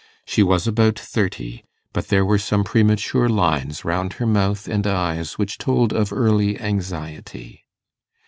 She was about thirty, but there were some premature lines round her mouth and eyes, which told of early anxiety.